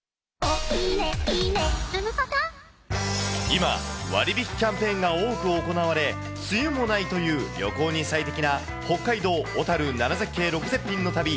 今、割引キャンペーンが多く行われ、梅雨もないという旅行に最適な北海道小樽７絶景６絶品の旅。